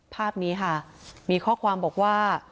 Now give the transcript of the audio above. ภาพนี้ค่ะมีข้อความบอกว่า